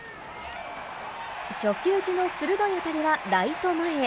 初球打ちの鋭い当たりはライト前へ。